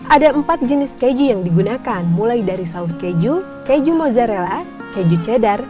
ada empat jenis keju yang digunakan mulai dari saus keju keju mozzarella keju cheddar